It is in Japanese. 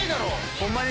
ホンマに